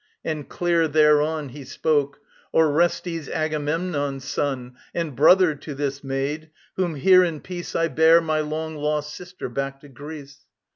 And clear thereon He spoke: "Orestes, Agamemnon's son, And brother to this maid, whom here in peace I bear, my long lost sister, back to Greece."